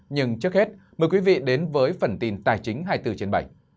nhưng trước hết mời quý vị đến với phần tin tài chính hai mươi bốn trên bảy